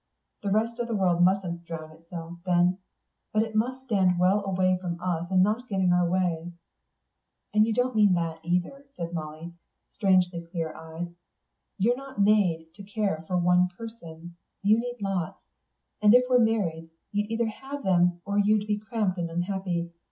The rest of the world mustn't drown itself, then; but it must stand well away from us and not get in our way." "And you don't mean that, either," said Molly, strangely clear eyed. "You're not made to care only for one person you need lots. And if we were married, you'd either have them, or you'd be cramped and unhappy.